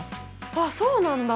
あっそうなんだ！